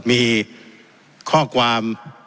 มีข้อความ